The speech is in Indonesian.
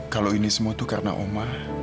kalau ini semua itu karena oma